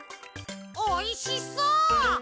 おいしそう！